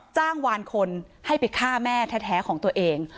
จ้างวานคนให้ไปฆ่าแม่แท้ของตัวเอง